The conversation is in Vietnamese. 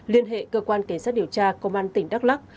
liên hệ cơ quan cảnh sát điều tra công an tỉnh đắk lắc